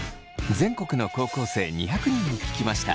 全国の高校生２００人に聞きました。